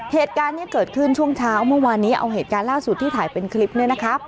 เหตุการณ์นี้เกิดขึ้นช่วงเช้าเมื่อวานนี้เอาเหตุการณ์ล่าสุดที่ถ่ายเป็นคลิปเนี่ยนะคะ